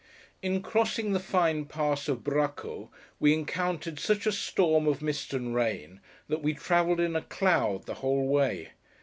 In crossing the fine pass of Bracco, we encountered such a storm of mist and rain, that we travelled in a cloud the whole way.